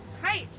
はい。